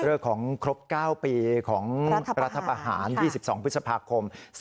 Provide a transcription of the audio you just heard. เลิกของครบ๙ปีของรัฐประหาร๒๒พฤษภาคม